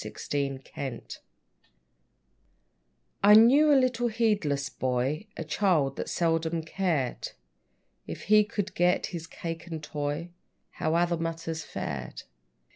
=Jemmy String= I knew a little heedless boy, A child that seldom cared, If he could get his cake and toy, How other matters fared.